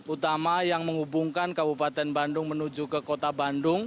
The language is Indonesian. utama yang menghubungkan kabupaten bandung menuju ke kota bandung